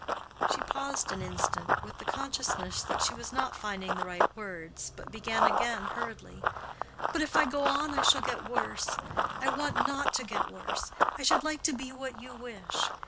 She paused an instant, with the consciousness that she was not finding the right words, but began again hurriedly, "But if I go on I shall get worse. I want not to get worse. I should like to be what you wish.